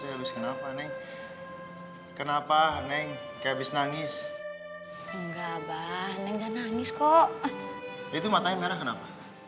kenapa neng kenapa neng habis nangis enggak abah nggak nangis kok itu matanya merah kenapa